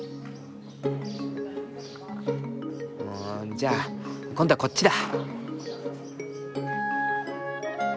じゃあ今度はこっちだ。